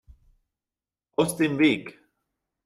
Aus dem Weg!